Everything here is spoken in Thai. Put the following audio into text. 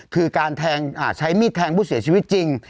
คือการใช้มีดแทงผู้เสียชีวิตจริง